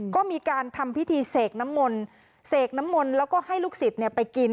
ก็มีการทำพิธีเสกน้ำมนแล้วก็ให้ลูกศิษย์ไปกิน